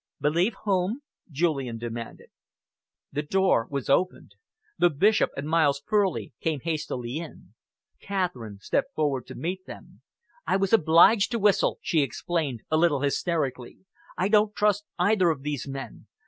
"Believe whom?" Julian demanded. The door was opened. The Bishop and Miles Furley came hastily in. Catherine stepped forward to meet them. "I was obliged to whistle," she explained, a little hysterically. "I do not trust either of these men.